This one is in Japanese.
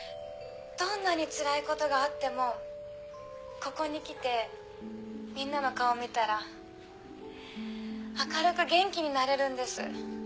どんなにつらいことがあってもここに来てみんなの顔を見たら明るく元気になれるんです。